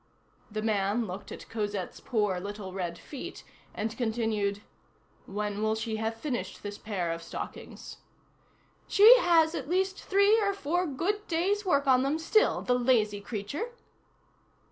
The man looked at Cosette's poor little red feet, and continued:— "When will she have finished this pair of stockings?" "She has at least three or four good days' work on them still, the lazy creature!"